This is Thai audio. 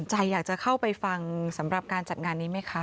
ใจอยากจะเข้าไปฟังสำหรับการจัดงานนี้ไหมคะ